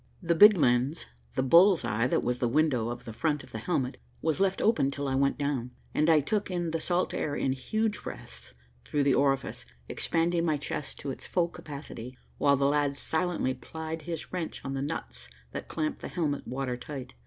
The big lens, the bull's eye that was the window of the front of the helmet, was left open till I went down, and I took in the salt air in huge breaths through the orifice, expanding my chest to its full capacity, while the lad silently plied his wrench on the nuts that clamped the helmet water tight.